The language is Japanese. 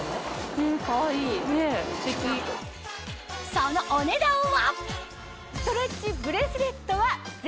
そのお値段は？